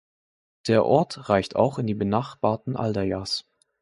Der Ort reicht auch in die benachbarten Aldeias.